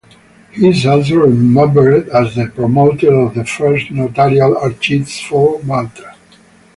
He is also remembered as the promoter of the first Notarial Archives for Malta.